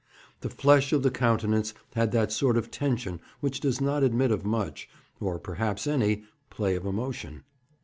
The flesh of the countenance had that sort of tension which does not admit of much, or perhaps any, play of emotion.